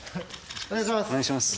お願いします。